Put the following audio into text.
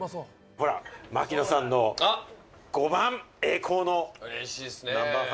槙野さんの５番、栄光のナンバー５！